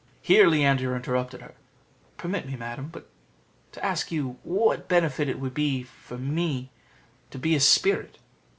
Here Leander interrupted her: "Permit me, madam," said he, "to ask you what benefit it would be to me to be a spirit?"